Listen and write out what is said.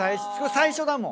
最初だもん。